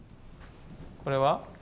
これは？